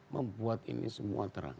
membuat ini semua terang